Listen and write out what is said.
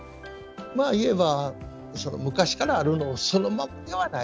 いえば昔からあるのそのままではない。